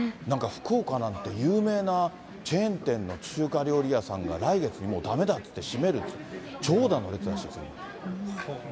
なんか福岡なんて有名なチェーン店の中華料理屋さんが来月、もうだめだっていって、閉めるっていって、長蛇の列らしいですよ、今。